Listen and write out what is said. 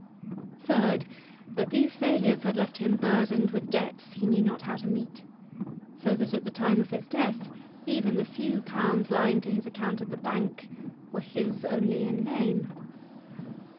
Third, that these failures had left him burdened with debts he knew not how to meet; so that at the time of his death even the few pounds lying to his account at the bank were his only in name.